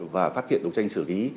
và phát hiện đấu tranh xử lý